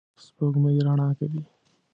په شپه کې سپوږمۍ رڼا کوي